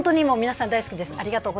皆さん大好きです。